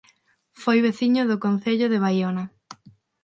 Foi veciño do Concello de Baiona